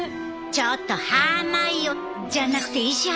ちょっとハーマイオじゃなくて石原ちゃん！